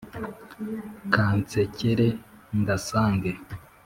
kansekere ngasange